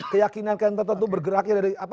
keyakinan tentu tentu bergeraknya dari